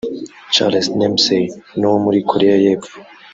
Charles Dempsey n’uwo muri Koreya y’Epfo